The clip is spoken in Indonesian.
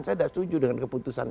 saya tidak setuju dengan keputusan